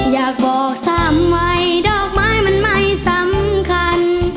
อยากบอกซ้ำไว้ดอกไม้มันไม่สำคัญ